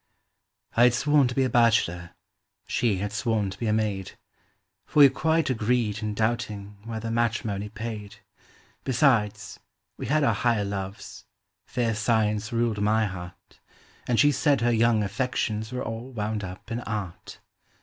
I had sworn to be a bachelor, she had sworn to be a maid. For we quite agreed in doubting whether matri mony paid ; Iiesides, we had our higher loves, — fair science ruled my heart. And she said her young affections were all wound up in art.